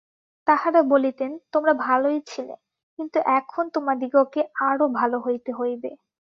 তাঁহারা বলিতেন, তোমরা ভালই ছিলে, কিন্তু এখন তোমাদিগকে আরও ভাল হইতে হইবে।